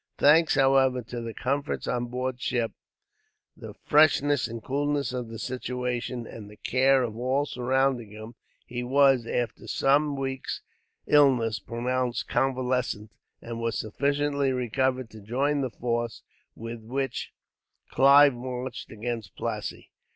Thanks, however, to the comforts on board ship, the freshness and coolness of the situation, and the care of all surrounding him, he was, after some weeks' illness, pronounced convalescent; and was sufficiently recovered to join the force with which Clive marched against Plassey.